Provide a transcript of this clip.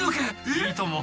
いいとも。